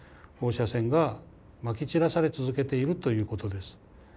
放射線がまき散らされ続けているということです。